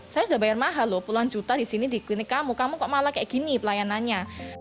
saya sudah bayar mahal loh puluhan juta di sini di klinik kamu kamu kok malah kayak gini pelayanannya